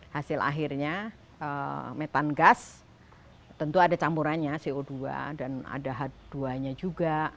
hasil akhirnya metan gas tentu ada campurannya co dua dan ada h dua nya juga